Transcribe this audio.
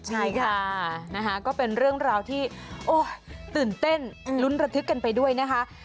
ใช่ค่ะนะคะก็เป็นเรื่องราวที่ตื่นเต้นลุ้นระทึกกันไปด้วยนะคะ